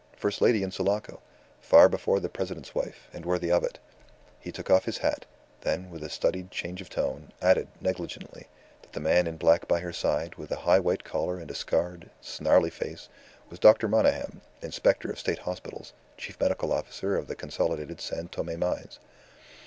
First lady in Sulaco far before the President's wife. And worthy of it." He took off his hat; then, with a studied change of tone, added, negligently, that the man in black by her side, with a high white collar and a scarred, snarly face, was Dr. Monygham, Inspector of State Hospitals, chief medical officer of the Consolidated San Tome mines.